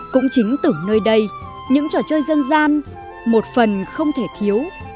cũng chính từ nơi đây những trò chơi dân gian một phần không thể thiếu